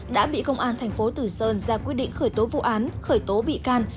đã bị công an thành phố tử sơn ra quyết định khởi tố vụ án khởi tố bị can